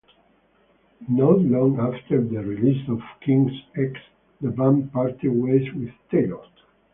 Not long after the release of "King's X", the band parted ways with Taylor.